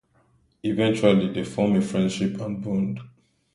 Eventually, they form a friendship and bond.